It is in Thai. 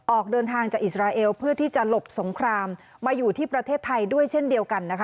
ออกเดินทางจากอิสราเอลเพื่อที่จะหลบสงครามมาอยู่ที่ประเทศไทยด้วยเช่นเดียวกันนะคะ